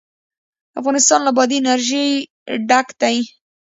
افغانستان له بادي انرژي ډک دی.